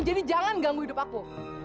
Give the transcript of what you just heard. jadi jangan ganggu hidup aku